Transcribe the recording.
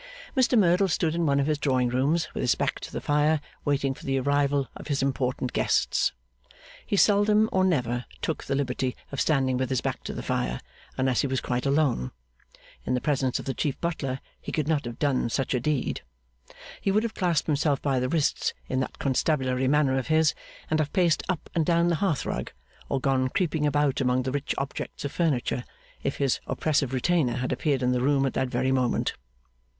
Mr Merdle stood in one of his drawing rooms, with his back to the fire, waiting for the arrival of his important guests. He seldom or never took the liberty of standing with his back to the fire unless he was quite alone. In the presence of the Chief Butler, he could not have done such a deed. He would have clasped himself by the wrists in that constabulary manner of his, and have paced up and down the hearthrug, or gone creeping about among the rich objects of furniture, if his oppressive retainer had appeared in the room at that very moment.